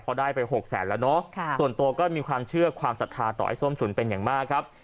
พอได้ไป๖แสนแล้วเนอะส่วนตัวก็มีความเชื่อความศรัทธาต่อไอ้ส้มฉุนเป็นอย่างมากครับ